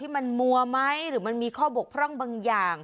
มันมัวไหมหรือมันมีข้อบกพร่องบางอย่าง